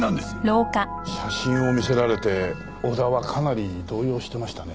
写真を見せられて小田はかなり動揺してましたね。